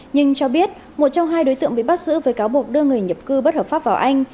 nhưng cho biết một trong hai đối tượng bị bắt giữ với cáo buộc đưa người nhập cư bất hợp pháp vào anh